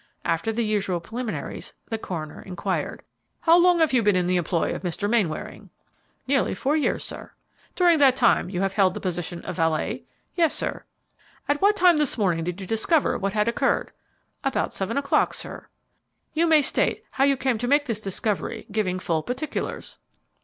After the usual preliminaries, the coroner inquired, "How long have you been in the employ of Mr. Mainwaring?" "Nearly four years, sir." "During that time you have held the position of valet?" "Yes, sir." "At what time this morning did you discover what had occurred?" "About seven o'clock, sir." "You may state how you came to make this discovery, giving full particulars."